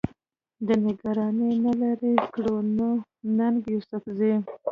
د نګرانۍ نه لرې کړو، نو ننګ يوسفزۍ